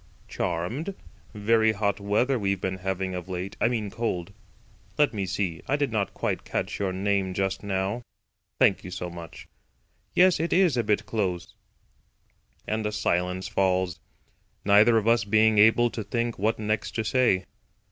"CHARMED. Very hot weather we've been having of late—I mean cold. Let me see, I did not quite catch your name just now. Thank you so much. Yes, it is a bit close." And a silence falls, neither of us being able to think what next to say.